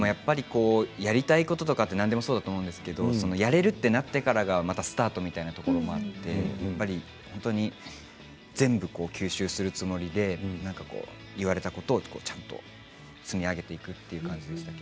やりたいこと、何でもそうですがやれるとなってからがまたスタートみたいなところがあって全部、吸収するつもりで言われたことをちゃんと積み上げていくという感じでした。